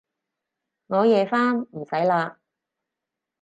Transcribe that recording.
我夜返，唔使喇